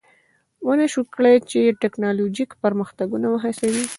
ونشوای کړای چې ټکنالوژیک پرمختګونه وهڅوي